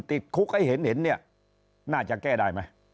ติดคุกให้เห็นเนี่ยน่าจะแก้ได้ไหม